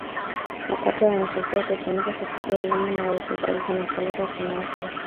mapato yanatakiwa kutumika katika elimu na uwekezaji yanapelekwa kwenye afya